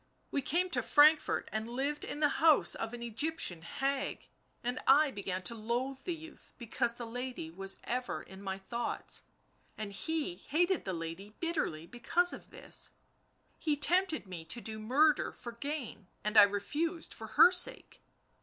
we came to Frankfort and lived in the house of an Egyptian hag, and I began to loathe the youth because the lady was ever in my thoughts, and he hated the lady bitterly because of this; he tempted me to do murder for gain, and I refused for her sake."